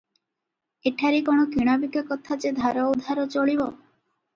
ଏଠାରେ କଣ କିଣା ବିକା କଥା ଯେ ଧାର ଉଧାର ଚଳିବ?